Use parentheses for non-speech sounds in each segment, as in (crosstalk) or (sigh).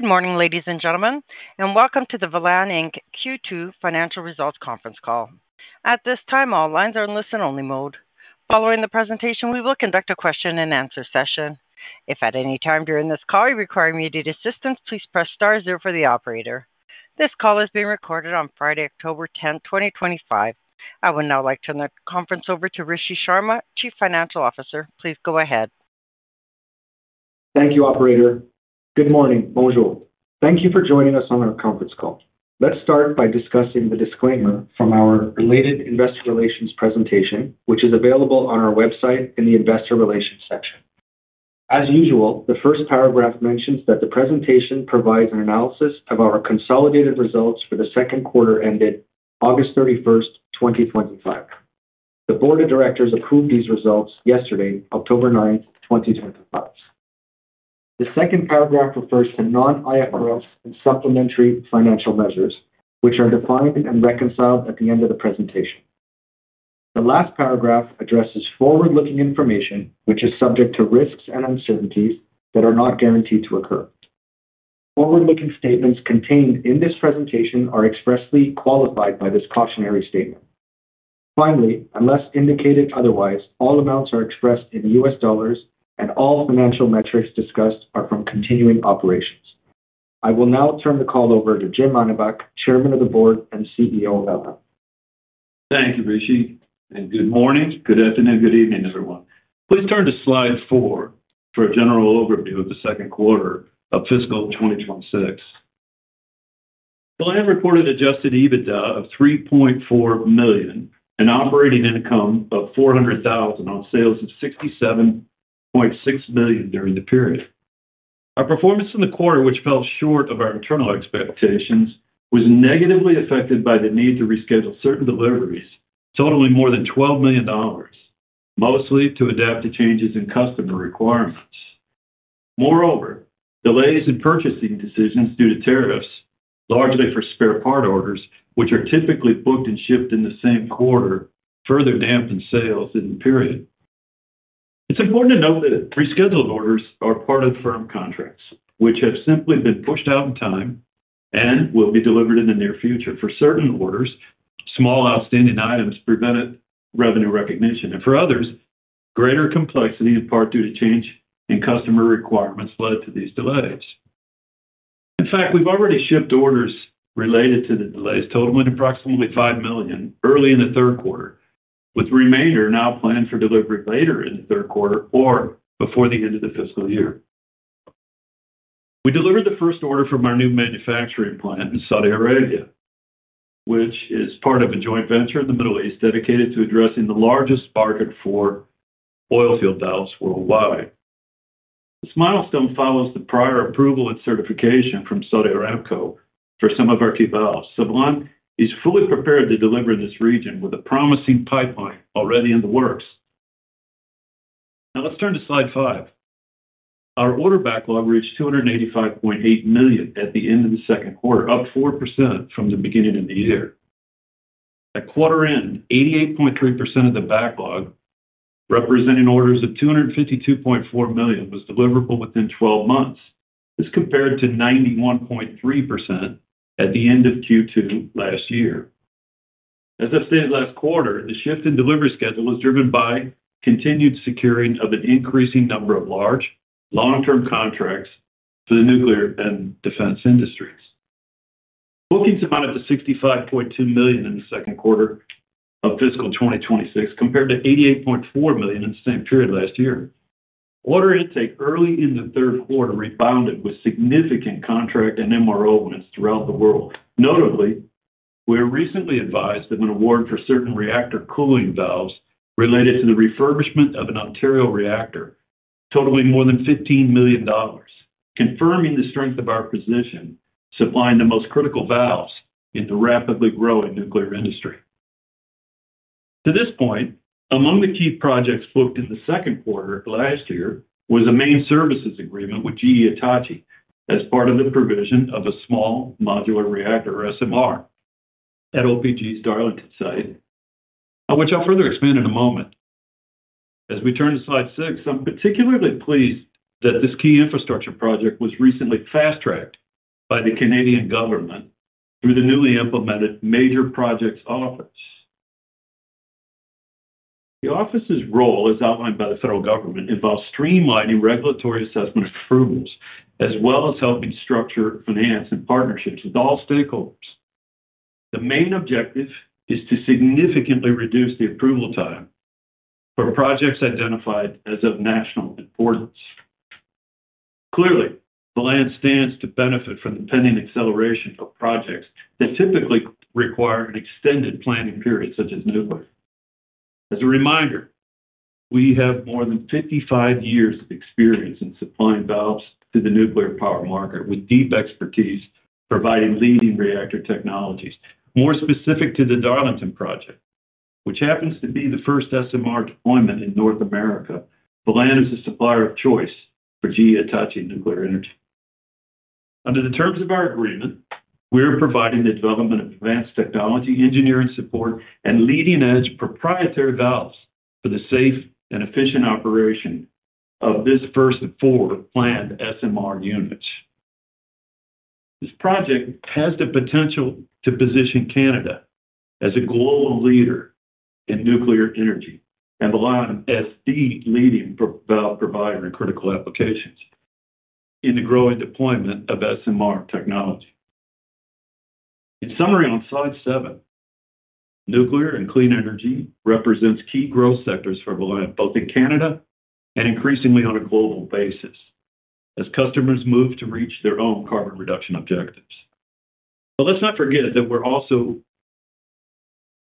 Good morning, ladies and gentlemen, and welcome to the Velan Inc. Q2 financial results conference call. At this time, all lines are in listen-only mode. Following the presentation, we will conduct a question-and-answer session. If at any time during this call you require immediate assistance, please press star zero for the operator. This call is being recorded on Friday, October 10, 2025. I would now like to turn the conference over to Rishi Sharma, Chief Financial Officer. Please go ahead. Thank you, operator. Good morning, bonjour. Thank you for joining us on our conference call. Let's start by discussing the disclaimer from our related investor relations presentation, which is available on our website in the investor relations section. As usual, the first paragraph mentions that the presentation provides an analysis of our consolidated results for the second quarter ended August 31st, 2025. The Board of Directors approved these results yesterday, October 9, 2025. The second paragraph refers to non-IFRS and supplementary financial measures, which are defined and reconciled at the end of the presentation. The last paragraph addresses forward-looking information, which is subject to risks and uncertainties that are not guaranteed to occur. Forward-looking statements contained in this presentation are expressly qualified by this cautionary statement. Finally, unless indicated otherwise, all amounts are expressed in U.S. dollars and all financial metrics discussed are from continuing operations. I will now turn the call over to Jim Mannebach, Chairman of the Board and CEO of Velan Inc. Thank you, Rishi. Good morning, good afternoon, good evening, everyone. Please turn to slide four for a general overview of the second quarter of fiscal 2026. We reported adjusted EBITDA of $3.4 million and operating income of $400,000 on sales of $67.6 million during the period. Our performance in the quarter, which fell short of our internal expectations, was negatively affected by the need to reschedule certain deliveries, totaling more than $12 million, mostly to adapt to changes in customer requirements. Moreover, delays in purchasing decisions due to tariffs, largely for spare part orders, which are typically booked and shipped in the same quarter, further dampened sales in the period. It's important to note that rescheduled orders are part of firm contracts, which have simply been pushed out in time and will be delivered in the near future. For certain orders, small outstanding items prevented revenue recognition, and for others, greater complexity in part due to change in customer requirements led to these delays. In fact, we've already shipped orders related to the delays, totaling approximately $5 million early in the third quarter, with the remainder now planned for delivery later in the third quarter or before the end of the fiscal year. We delivered the first order from our new manufacturing plant in Saudi Arabia, which is part of a joint venture in the Middle East dedicated to addressing the largest market for oilfield valves worldwide. This milestone follows the prior approval and certification from Saudi Aramco for some of our key valves. Velan is fully prepared to deliver in this region with a promising pipeline already in the works. Now let's turn to slide five. Our order backlog reached $285.8 million at the end of the second quarter, up 4% from the beginning of the year. At quarter end, 88.3% of the backlog, representing orders of $252.4 million, was deliverable within 12 months. This compared to 91.3% at the end of Q2 last year. As I've stated last quarter, the shift in delivery schedule was driven by continued securing of an increasing number of large, long-term contracts for the nuclear and defense industries. Bookings amounted to $65.2 million in the second quarter of fiscal 2026, compared to $88.4 million in the same period last year. Order intake early in the third quarter rebounded with significant contract and MRO earnings throughout the world. Notably, we were recently advised of an award for certain reactor cooling valves related to the refurbishment of an Ontario reactor, totaling more than $15 million, confirming the strength of our position supplying the most critical valves in the rapidly growing nuclear industry. To this point, among the key projects booked in the second quarter of last year was a main services agreement with GE Hitachi as part of the provision of a small modular reactor, or SMR, at OPG's Darlington site, on which I'll further expand in a moment. As we turn to slide six, I'm particularly pleased that this key infrastructure project was recently fast-tracked by the Canadian government through the newly implemented Major Projects Office. The office's role, as outlined by the federal government, involves streamlining regulatory assessment of approvals, as well as helping structure, finance, and partnerships with all stakeholders. The main objective is to significantly reduce the approval time for the projects identified as of national importance. Clearly, Velan stands to benefit from the pending acceleration of projects that typically require an extended planning period, such as nuclear. As a reminder, we have more than 55 years of experience in supplying valves to the nuclear power market with deep expertise providing leading reactor technologies. More specific to the Darlington project, which happens to be the first SMR deployment in North America, Velan is a supplier of choice for GE Hitachi Nuclear Energy. Under the terms of our agreement, we are providing the development of advanced technology, engineering support, and leading-edge proprietary valve technology for the safe and efficient operation of this first of four planned SMR units. This project has the potential to position Canada as a global leader in nuclear energy and rely on [E&T] leading valve providers in critical applications in the growing deployment of SMR technology. In summary, on slide seven, nuclear and clean energy represent key growth sectors for Velan, both in Canada and increasingly on a global basis, as customers move to reach their own carbon reduction objectives. Let's not forget that we're also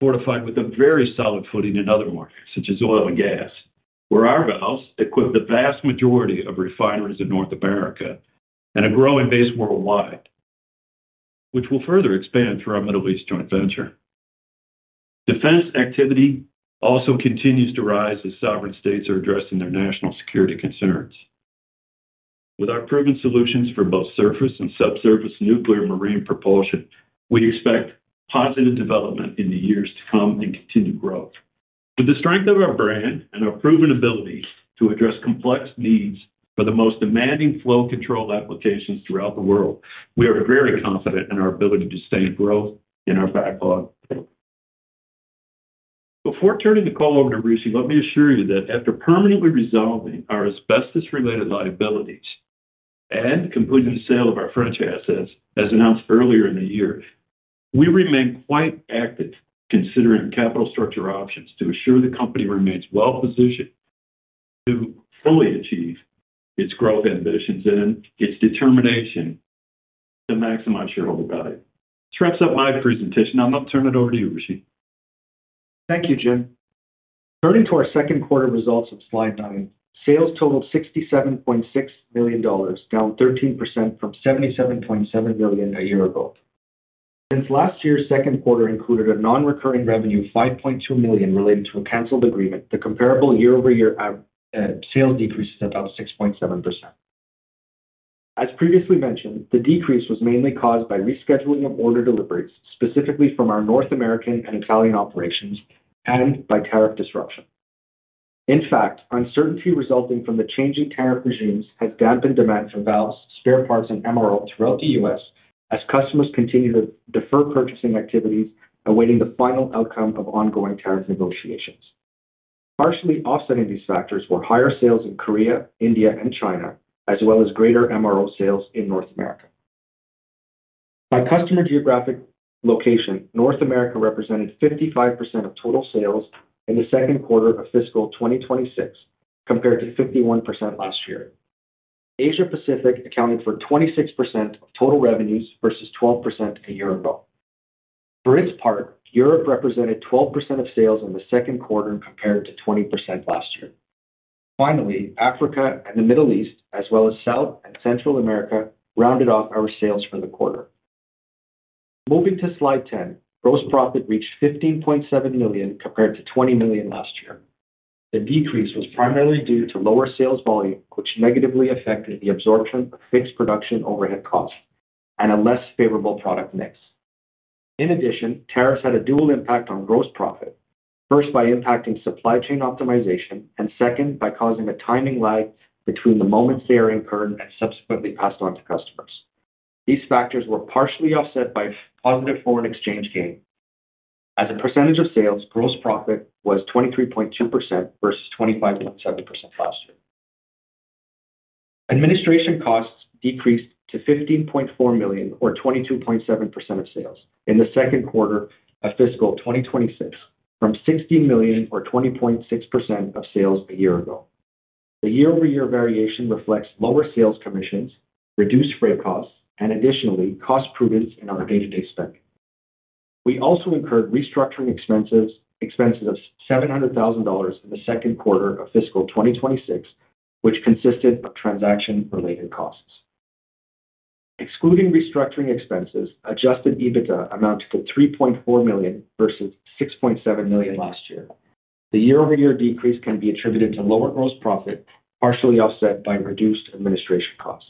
fortified with a very solid footing in other markets, such as oil and gas, where our valves equip the vast majority of refineries in North America and a growing base worldwide, which will further expand through our Middle East joint venture. Defense activity also continues to rise as sovereign states are addressing their national security concerns. With our proven solutions for both surface and subsurface nuclear marine propulsion, we expect positive development in the years to come and continue growth. With the strength of our brand and our proven abilities to address complex needs for the most demanding flow control applications throughout the world, we are very confident in our ability to sustain growth in our backlog. Before turning the call over to Rishi, let me assure you that after permanently resolving our asbestos-related liabilities and completing the sale of our French assets, as announced earlier in the year, we remain quite active considering capital structure options to ensure the company remains well-positioned to fully achieve its growth ambitions and its determination to maximize shareholder value. This wraps up my presentation. I'm going to turn it over to you, Rishi. Thank you, Jim. Turning to our second quarter results of slide nine, sales totaled $67.6 million, down 13% from $77.7 million a year ago. Since last year's second quarter included a non-recurring revenue of $5.2 million related to a canceled agreement, the comparable year-over-year sales decreased about 6.7%. As previously mentioned, the decrease was mainly caused by rescheduling of order deliveries, specifically from our North American and Italian operations, and by tariff disruption. In fact, uncertainty resulting from the changing tariff regimes had dampened demand from valves, spare parts, and MRO throughout the U.S. as customers continued to defer purchasing activity, awaiting the final outcome of ongoing tariff negotiations. Partially offsetting these factors were higher sales in Korea, India, and China, as well as greater MRO sales in North America. By customer geographic location, North America represented 55% of total sales in the second quarter of fiscal 2026, compared to 51% last year. Asia-Pacific accounted for 26% total revenues versus 12% a year ago. For its part, Europe represented 12% of sales in the second quarter compared to 20% last year. Finally, Africa and the Middle East, as well as South and Central America, rounded off our sales for the quarter. Moving to slide 10, gross profit reached $15.7 million compared to $20 million last year. The decrease was primarily due to lower sales volume, which negatively affected the absorption of fixed production overhead costs and a less favorable product mix. In addition, tariffs had a dual impact on gross profit, first by impacting supply chain optimization and second by causing a timing lag between the moment they are incurred and subsequently passed on to customers. These factors were partially offset by positive foreign exchange gain. As a percentage of sales, gross profit was 23.2% versus 25.7% last year. Administration costs decreased to $15.4 million or 22.7% of sales in the second quarter of fiscal 2026, from $16 million or 20.6% of sales a year ago. The year-over-year variation reflects lower sales commissions, reduced freight costs, and additionally, cost improvements in our day-to-day spending. We also incurred restructuring expenses of $700,000 in the second quarter of fiscal 2026, which consisted of transaction-related costs. Excluding restructuring expenses, adjusted EBITDA amounted to $3.4 million versus $6.7 million last year. The year-over-year decrease can be attributed to lower gross profit, partially offset by reduced administration costs.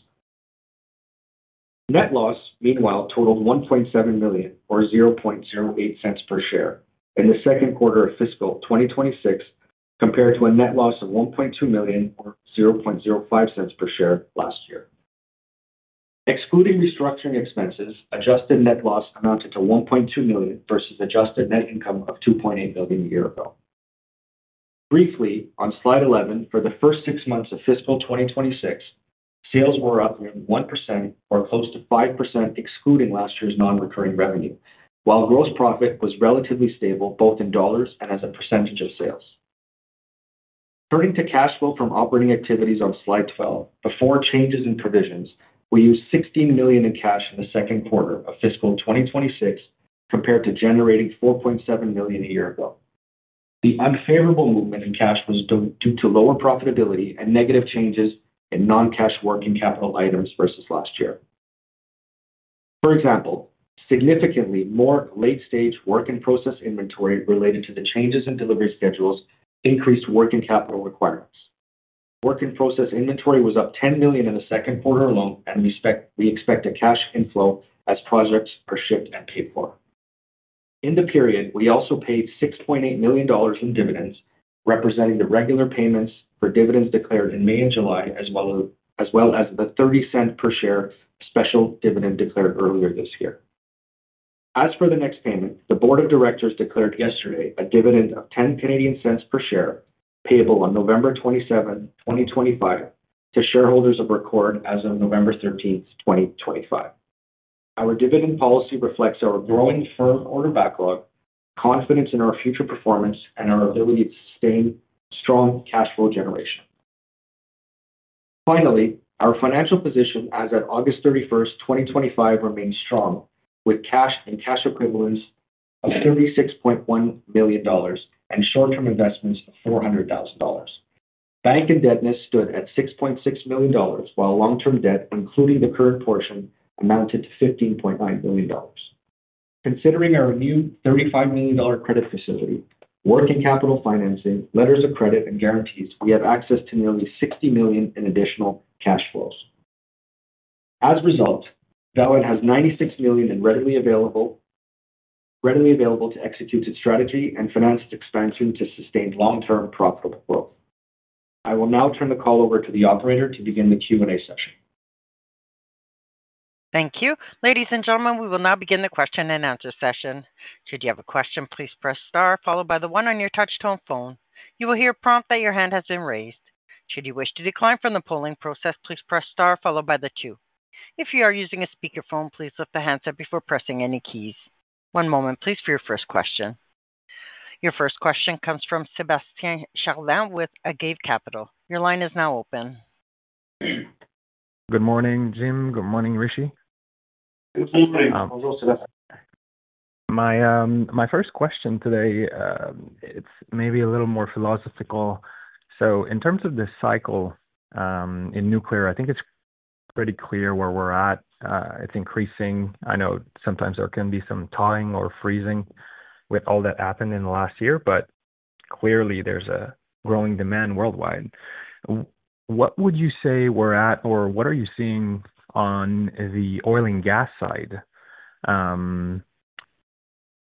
Net loss, meanwhile, totaled $1.7 million or $0.08 per share in the second quarter of fiscal 2026, compared to a net loss of $1.2 million or $0.05 per share last year. Excluding restructuring expenses, adjusted net loss amounted to $1.2 million versus adjusted net income of $2.8 million a year ago. Briefly, on slide 11, for the first six months of fiscal 2026, sales were up nearly 1% or close to 5%, excluding last year's non-recurring revenue, while gross profit was relatively stable both in dollars and as a percentage of sales. Turning to cash flow from operating activities on slide 12, before changes in provisions, we used $16 million in cash in the second quarter of fiscal 2026, compared to generating $4.7 million a year ago. The unfavorable movement in cash was due to lower profitability and negative changes in non-cash working capital items versus last year. For example, significantly more late-stage work-in-process inventory related to the changes in delivery schedules increased working capital requirements. Work-in-process inventory was up $10 million in the second quarter alone, and we expect a cash inflow as projects are shipped and paid for. In the period, we also paid $6.8 million in dividends, representing the regular payments for dividends declared in May and July, as well as the $0.30 per share special dividend declared earlier this year. As for the next payment, the Board of Directors declared yesterday a dividend of 0.10 per share, payable on November 27, 2025, to shareholders of record as of November 13, 2025. Our dividend policy reflects our growing firm order backlog, confidence in our future performance, and our ability to sustain strong cash flow generation. Finally, our financial position as of August 31st, 2025, remains strong with cash and cash equivalents of $36.1 million and short-term investments of $400,000. Bank indebtedness stood at $6.6 million, while long-term debt, including the current portion, amounted to $15.9 million. Considering our undrawn $35 million credit facility, working capital financing, letters of credit, and guarantees, we have access to nearly $60 million in additional cash flows. As a result, Velan has $96 million readily available to execute its strategy and finance its expansion to sustain long-term profitable growth. I will now turn the call over to the operator to begin the Q&A session. Thank you. Ladies and gentlemen, we will now begin the question and answer session. Should you have a question, please press star, followed by the one on your touch-tone phone. You will hear a prompt that your hand has been raised. Should you wish to decline from the polling process, please press star, followed by the two. If you are using a speaker phone, please lift the handset before pressing any keys. One moment, please, for your first question. Your first question comes from Sébastien Charland with Agave Capital. Your line is now open. Good morning, Jim. Good morning, Rishi. My first question today, it's maybe a little more philosophical. In terms of this cycle in nuclear, I think it's pretty clear where we're at. It's increasing. I know sometimes there can be some thawing or freezing with all that happened in the last year, but clearly there's a growing demand worldwide. What would you say we're at, or what are you seeing on the oil and gas side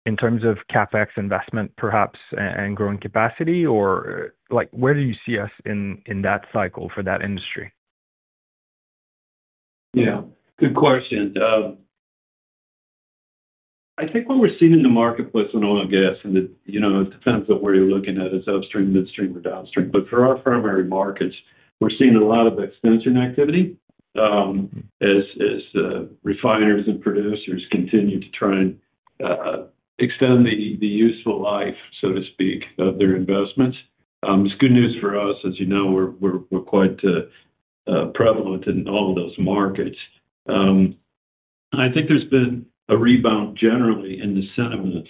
in terms of CapEx investment, perhaps, and growing capacity, or like where do you see us in that cycle for that industry? Yeah, good question. I think what we're seeing in the marketplace, and I'm going to guess, and you know it depends on where you're looking at, is upstream, midstream, or downstream. For our primary markets, we're seeing a lot of expansion activity as refiners and producers continue to try and extend the useful life, so to speak, of their investments. It's good news for us. As you know, we're quite prevalent in all those markets. I think there's been a rebound generally in the sentiment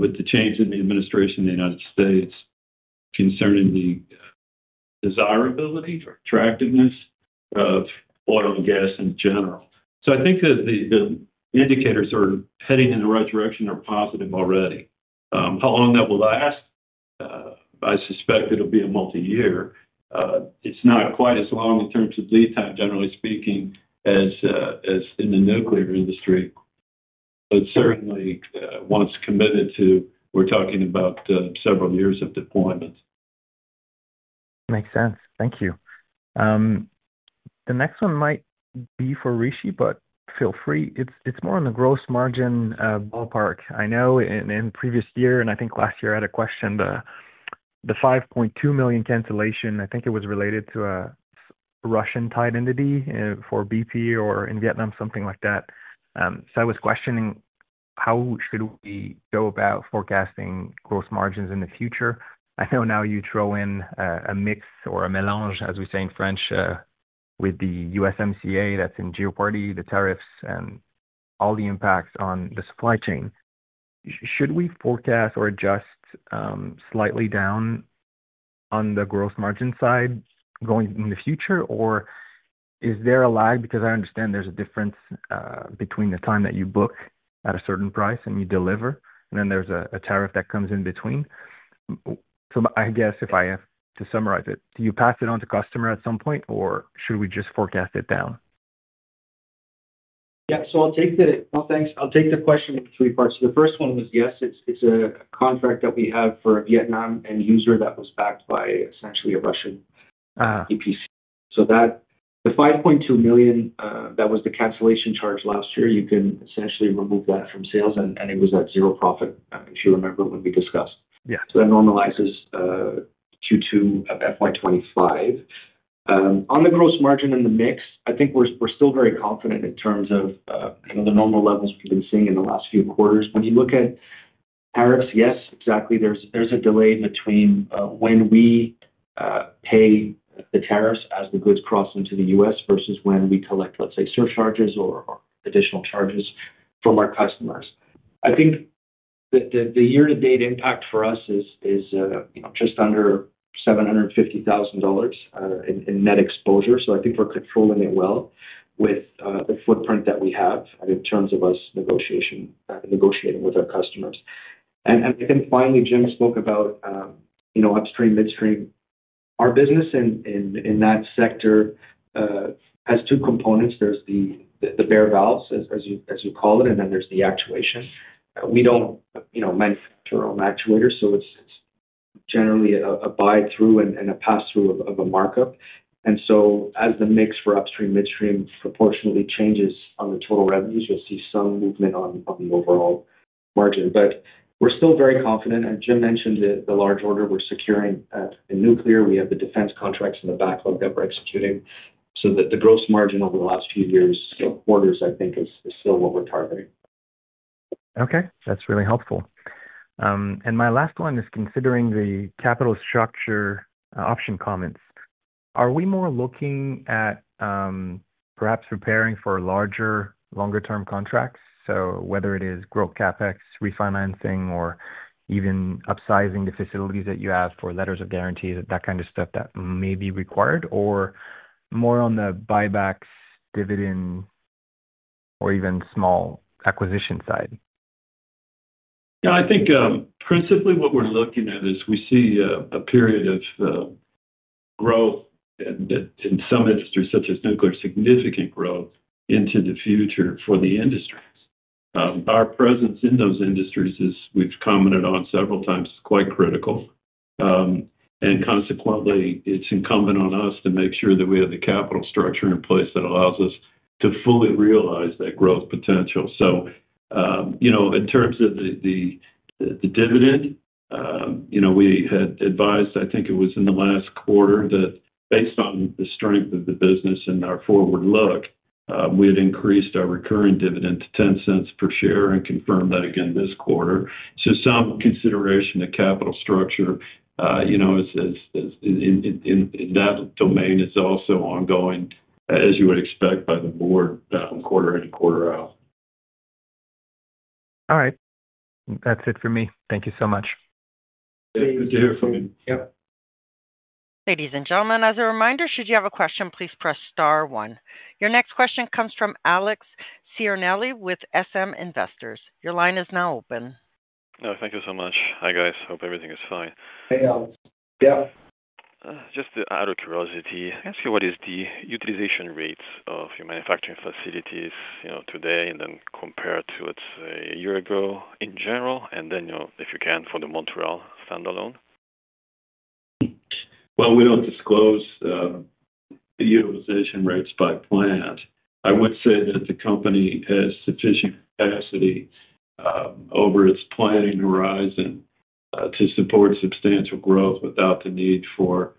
with the change in the administration in the U.S. concerning the desirability or attractiveness of oil and gas in general. I think that the indicators that are heading in the right direction are positive already. How long that will last? I suspect it'll be a multi-year. It's not quite as long in terms of lead time, generally speaking, as in the nuclear industry. Certainly, once committed to, we're talking about several years of deployment. Makes sense. Thank you. The next one might be for Rishi, but feel free. It's more on the gross margin ballpark. I know in the previous year, and I think last year I had a question, the $5.2 million cancellation, I think it was related to a Russian-tied entity for BP or in Vietnam, something like that. I was questioning how should we go about forecasting gross margins in the future? I know now you throw in a mix or a mélange, as we say in French, with the USMCA that's in Geopolity, the tariffs, and all the impacts on the supply chain. Should we forecast or adjust slightly down on the gross margin side going in the future, or is there a lag? I understand there's a difference between the time that you book at a certain price and you deliver, and then there's a tariff that comes in between. I guess if I have to summarize it, do you pass it on to customer at some point, or should we just forecast it down? Yeah, I'll take the question in three parts. The first one is yes, it's a contract that we have for a Vietnam end user that was backed by essentially a Russian VPC. The $5.2 million that was the cancellation charge last year, you can essentially remove that from sales and it was at zero profit, if you remember what we discussed. That normalizes Q2 at FY 2025. On the gross margin in the mix, I think we're still very confident in terms of the normal levels we've been seeing in the last few quarters. When you look at tariffs, yes, exactly, there's a delay between when we pay the tariffs as the goods cross into the U.S. versus when we collect, let's say, surcharges or additional charges from our customers. I think the year-to-date impact for us is just under $750,000 in net exposure. I think we're controlling it well with the footprint that we have in terms of us negotiating with our customers. Finally, Jim spoke about upstream, midstream. Our business in that sector has two components. There's the bare valves, as you call it, and then there's the actuation. We don't manufacture our own actuators, so it's generally a buy-through and a pass-through of a markup. As the mix for upstream, midstream proportionately changes on the total revenues, you'll see some movement on the overall margin. We're still very confident. As Jim mentioned, the large order we're securing in nuclear, we have the defense contracts in the backlog that we're executing. The gross margin over the last few quarters, I think, is still what we're targeting. Okay, that's really helpful. My last one is considering the capital structure optimization comments. Are we more looking at perhaps preparing for larger, longer-term contracts? Whether it is growth CapEx, refinancing, or even upsizing the facilities that you have for letters of guarantees, that kind of stuff that may be required, or more on the buybacks, dividend, or even small acquisition side? Yeah, I think principally what we're looking at is we see a period of growth in some industries such as nuclear, significant growth into the future for the industries. Our presence in those industries, as we've commented on several times, is quite critical. Consequently, it's incumbent on us to make sure that we have the capital structure in place that allows us to fully realize that growth potential. In terms of the dividend, you know, we had advised, I think it was in the last quarter, that based on the strength of the business and our forward look, we had increased our recurring dividend to 0.10 per share and confirmed that again this quarter. Some consideration of capital structure in that domain is also ongoing, as you would expect by the board quarter in and quarter out. All right. That's it for me. Thank you so much. (audio distortion) Yep. Ladies and gentlemen, as a reminder, should you have a question, please press star one. Your next question comes from Alex Ciarnelli with SM Investors. Your line is now open. Thank you so much. Hi guys, hope everything is fine. Hey Alex, yeah. Just out of curiosity, I ask you what is the utilization rates of your manufacturing facilities today and then compared to, let's say, a year ago in general, and then, if you can, for the Montreal standalone. We don't disclose the utilization rates by plant. I would say that the company has sufficient capacity over its planning horizon to support substantial growth without the need for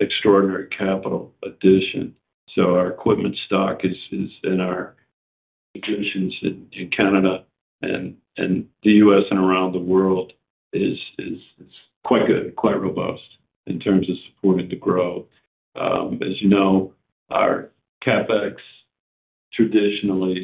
extraordinary capital addition. Our equipment stock in our positions in Canada and the U.S. and around the world is quite good, quite robust in terms of supporting the growth. As you know, our CapEx traditionally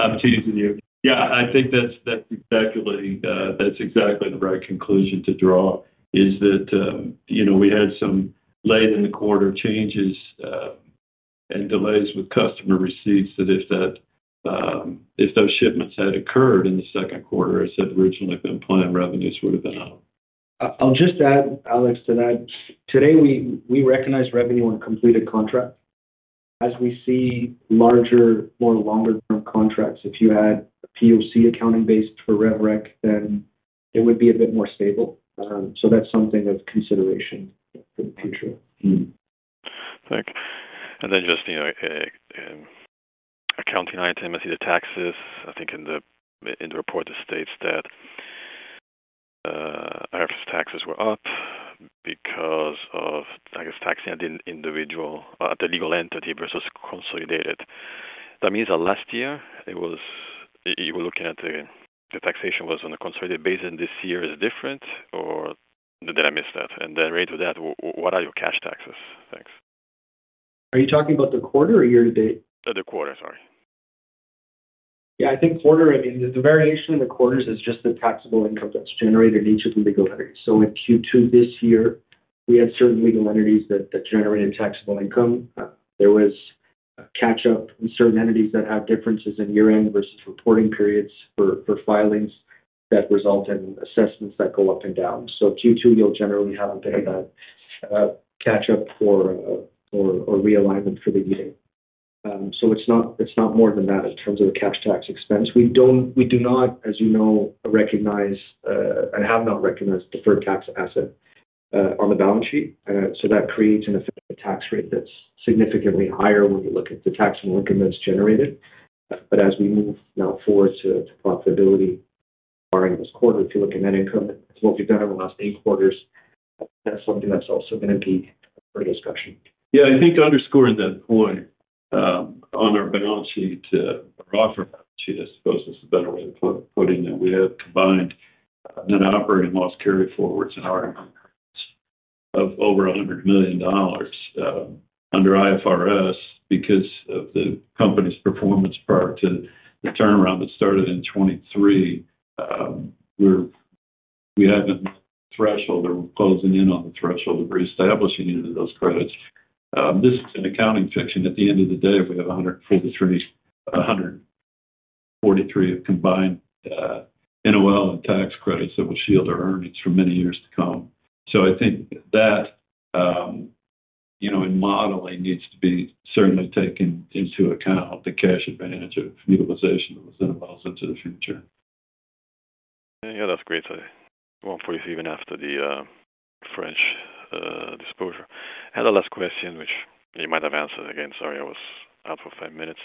I'm teasing you. Yeah, I think that's exactly the right conclusion to draw. You know, we had some late-in-the-quarter changes and delays with customer receipts that, if those shipments had occurred in the second quarter as I said, originally planned, revenues would have been up. I'll just add, Alex, to that. Today, we recognize revenue on completed contracts. As we see longer-term contracts, if you had POC accounting-based for Rev-Rec, then it would be a bit more stable. That's something of consideration for the future. Thanks. Just, you know, an accounting item. I see the taxes. I think in the report, it states that our taxes were up because of, I guess, taxing the individual, the legal entity versus consolidated. That means that last year, you were looking at the taxation was on a consolidated basis, and this year is different, or did I miss that? Related to that, what are your cash taxes? Thanks. Are you talking about the quarter or year-to-date? The quarter, sorry. Yeah, I think quarter, I mean, the variation in the quarters is just the taxable income that's generated in each of the legal entities. With Q2 this year, we have certain legal entities that generate taxable income. There was a catch-up in certain entities that have differences in year-end versus reporting periods for filings that result in assessments that go up and down. Q2, you'll generally have a bit of that catch-up or realignment for the year. It's not more than that in terms of the cash tax expense. We do not, as you know, recognize and have not recognized deferred tax asset on the balance sheet. That creates a tax rate that's significantly higher when you look at the tax income that's generated. As we move now forward to profitability for our annual quarter, if you look at net income, it's what we've done in the last eight quarters. That's something that's also going to be for discussion. Yeah, I think underscoring that point on our balance sheet, or off our balance sheet, I suppose, is a better way of putting it. We have combined the non-operating loss carryforwards in our income of over $100 million under IFRS because of the company's performance prior to the turnaround that started in 2023. We hadn't met the threshold or closing in on the threshold of reestablishing any of those credits. This is an accounting section. At the end of the day, if we have $143 million of combined NOL and tax credits that will shield our earnings for many years to come. I think that, you know, in modeling needs to be certainly taken into account, the cash advantage of utilization that involves into the future. Yeah, that's great to say. Of course, even after the French disclosure. I had a last question, which you might have answered again. Sorry, I was out for five minutes.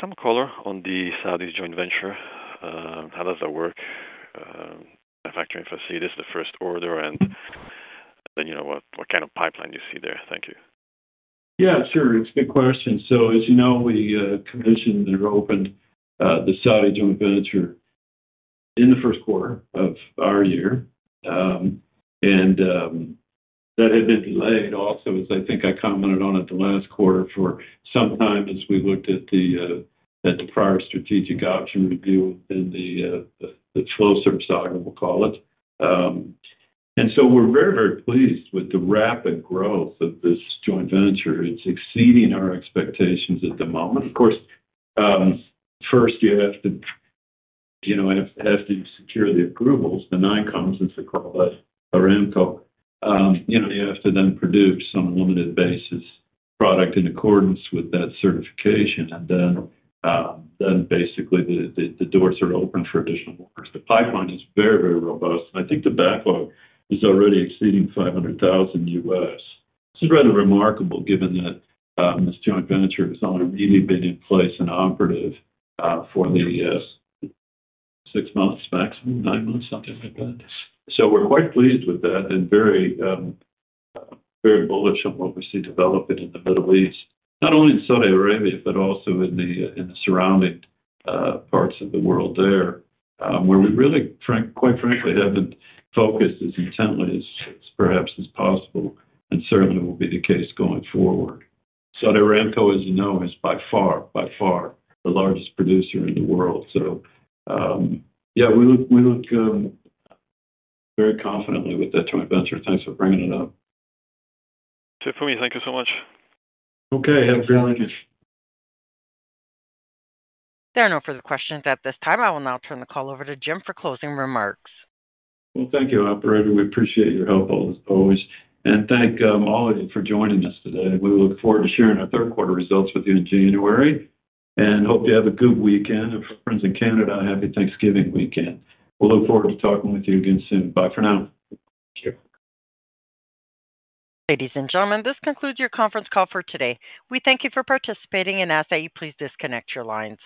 Some color on the Saudi joint venture. How does that work? I factor in facilities, the first order, and then, you know, what kind of pipeline do you see there? Thank you. Yeah, sure. It's a good question. As you know, we commissioned and opened the Saudi joint venture in the first quarter of our year. That had been laid off, as I think I commented on it the last quarter, for some time as we looked at the prior strategic option review and the closer saga we'll call it. We're very, very pleased with the rapid growth of this joint venture. It's exceeding our expectations at the moment. Of course, first you have to secure the approvals, the nine coms, as we call it, Aramco. You have to then produce some limited basis product in accordance with that certification. Basically, the doors are open for additional orders. The pipeline is very, very robust. I think the backlog is already exceeding $500,000. This is rather remarkable given that this joint venture has only really been in place and operative for six months, maximum nine months, something like that. We're quite pleased with that and very bullish on what we see developing in the Middle East, not only in Saudi Arabia, but also in the surrounding parts of the world there, where we really, quite frankly, haven't focused as intently as perhaps is possible and certainly will be the case going forward. Saudi Aramco, as you know, is by far, by far the largest producer in the world. We look very confidently with that joint venture. Thanks for bringing it up. Same for me. Thank you so much. Okay, have a great weekend. There are no further questions at this time. I will now turn the call over to Jim for closing remarks. Thank you, operator. We appreciate your help, always. Thank all of you for joining us today. We look forward to sharing our third quarter results with you in January and hope you have a good weekend. For friends in Canada, a happy Thanksgiving weekend. We'll look forward to talking with you again soon. Bye for now. Thank you. Ladies and gentlemen, this concludes your conference call for today. We thank you for participating and ask that you please disconnect your lines.